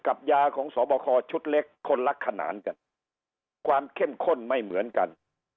กับยาของสอบคอชุดเล็กคนละขนานกันความเข้มข้นไม่เหมือนกัน